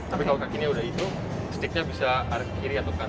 tapi kalau kakinya udah itu stick nya bisa kiri atau kanan